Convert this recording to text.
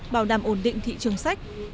bảo đảm ổn định thị trường sách